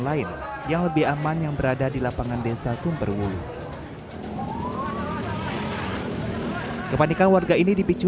lain yang lebih aman yang berada di lapangan desa sumberwulu kepanikan warga ini dipicu